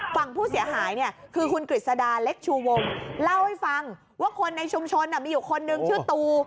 ฝั่งผู้เสียหายเนี่ยคือคุณกฤษดาเล็กชูวงเล่าให้ฟังว่าคนในชุมชนมีอยู่คนนึงชื่อตู